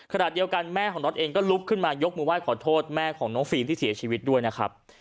ขณะเดียวกันแม่ของน็อตเองก็ลุกขึ้นมายกมือไห้ขอโทษแม่ของน้องฟิล์มที่เสียชีวิตด้วยนะครับ